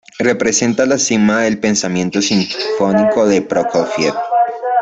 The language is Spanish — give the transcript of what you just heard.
Representa la cima del pensamiento sinfónico de Prokofiev.